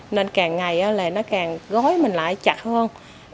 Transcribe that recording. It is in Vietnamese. nên càng ngày là nó càng gối mình lại chặt hơn